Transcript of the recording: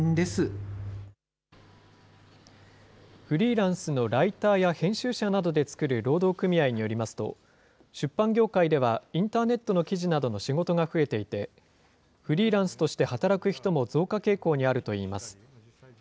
フリーランスのライターや編集者などで作る労働組合によりますと、出版業界ではインターネットの記事などの仕事が増えていて、フリーランスとして働く人も増加傾向にあるといいます。